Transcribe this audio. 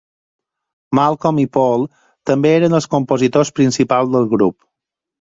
Malcolm i Paul també eren els compositors principals del grup.